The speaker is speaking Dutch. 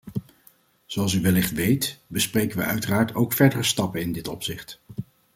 Zoals u wellicht weet, bespreken we uiteraard ook verdere stappen in dit opzicht.